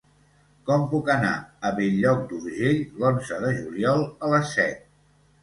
Com puc anar a Bell-lloc d'Urgell l'onze de juliol a les set?